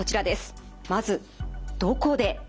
まず「どこで」